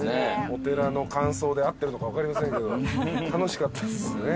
お寺の感想で合ってるのか分かりませんけど楽しかったですね。